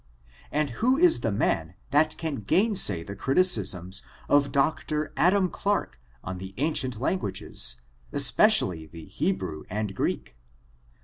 And who is the man who can gainsay the criticisms of Dr. Adam* Clarke on the ancient lan guages, especially the Hebrew and Greek?